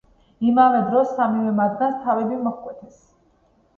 იმავე დღს სამივე მათგანს თავები მოჰკვეთეს.